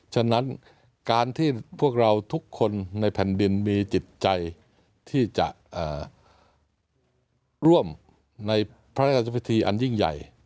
ฉะนั้นการที่พวกเราทุกคนในแผ่นดินมีจิตใจที่จะร่วมในพระราชพิธีอันยิ่งใหญ่